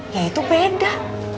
ya itu beda